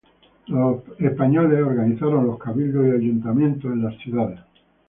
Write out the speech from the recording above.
Los españoles organizaron los cabildos y ayuntamientos en las ciudades.